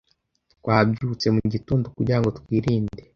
Twabyutse mugitondo kugirango twirinde